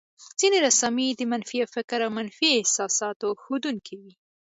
ځينې رسامۍ د منفي فکر او منفي احساساتو ښودونکې وې.